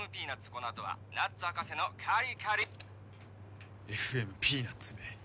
このあとはナッツ博士のカリカリＦＭピーナッツめ